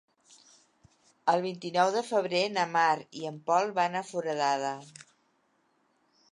El vint-i-nou de febrer na Mar i en Pol van a Foradada.